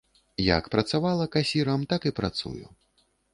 Як працавала касірам, так і працую.